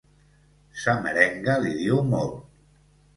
Sa merenga li diu molt